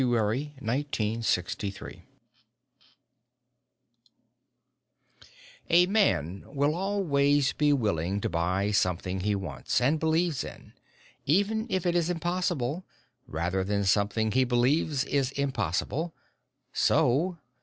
] With No Strings Attached A man will always be willing to buy something he wants, and believes in, even if it is impossible, rather than something he believes is impossible. So